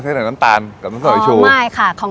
เชิญนะครับผม